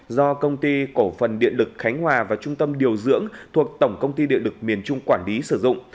do công ty cổ phần điện lực khánh hòa và trung tâm điều dưỡng thuộc tổng công ty điện lực miền trung quản lý sử dụng